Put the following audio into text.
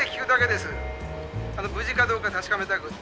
あの無事かどうか確かめたくって。